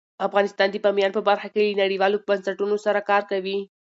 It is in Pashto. افغانستان د بامیان په برخه کې له نړیوالو بنسټونو سره کار کوي.